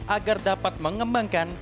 agar dapat mengembangkan